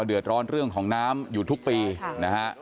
เดือดร้อนเรื่องของน้ำอยู่ทุกปีนะฮะ